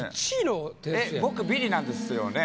えっ僕ビリなんですよね。